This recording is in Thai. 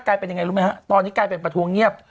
กลายเป็นยังไงรู้ไหมฮะตอนนี้กลายเป็นประท้วงเงียบ